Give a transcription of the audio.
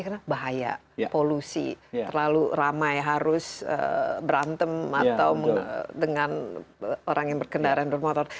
karena bahaya polusi terlalu ramai harus berantem atau dengan orang yang berkendara dan bermotor